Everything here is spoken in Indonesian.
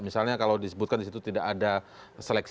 misalnya kalau disebutkan di situ tidak ada seleksi